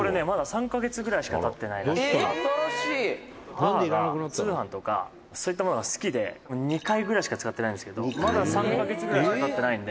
「母が通販とかそういったものが好きで２回ぐらいしか使ってないんですけどまだ３カ月ぐらいしか経ってないんで」